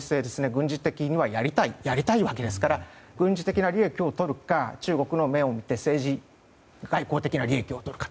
軍事的にはやりたいわけですから軍事的な利益をとるか中国に目を向けて政治外交的な利益をとるか。